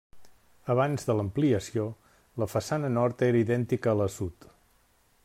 Abans de l'ampliació, la façana nord era idèntica a la sud.